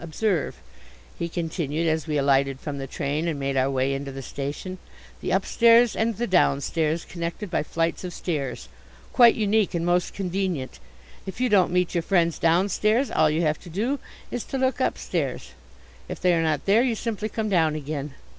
Observe," he continued as we alighted from the train and made our way into the station, "the upstairs and the downstairs, connected by flights of stairs; quite unique and most convenient: if you don't meet your friends downstairs all you have to do is to look upstairs. If they are not there, you simply come down again.